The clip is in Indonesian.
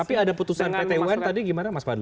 tapi ada putusan ptun tadi gimana mas padli